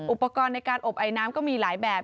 อุปกรณ์ในการอบไอน้ำก็มีหลายแบบ